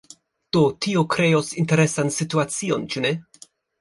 Do, tio kreos interesan situacion, ĉu ne?